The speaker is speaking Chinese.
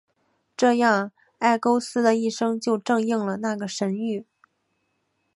这样埃勾斯的一生就正应了那个神谕。